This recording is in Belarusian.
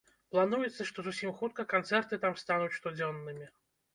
Плануецца, што зусім хутка канцэрты там стануць штодзённымі.